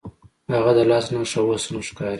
هغه د لاس نښه اوس هم ښکاري.